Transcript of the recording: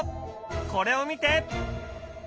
これを見て！